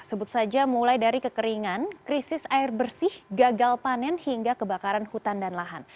sebut saja mulai dari kekeringan krisis air bersih gagal panen hingga kebakaran hutan dan lahan